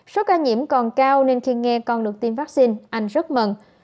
số ca nhiễm còn cao nên khi nghe con được tiêm vaccine anh rất mừng